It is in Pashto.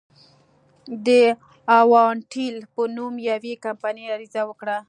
د اوانټل په نوم یوې کمپنۍ عریضه وکړه.